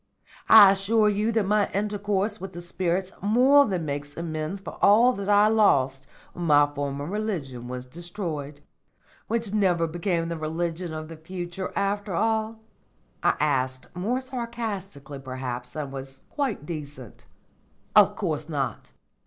I assure you that my intercourse with the spirits more than makes amends for all that I lost when my former religion was destroyed." "Which never became the religion of the future after all?" I asked, more sarcastically perhaps than was quite decent. "Of course not.